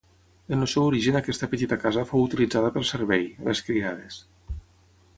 En el seu origen aquesta petita casa fou utilitzada pel servei, les criades.